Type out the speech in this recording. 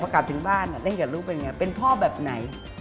กลับถึงบ้านเล่นกับลูกเป็นไงเป็นพ่อแบบไหน